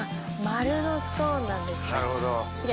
丸のスコーンなんですねキレイ。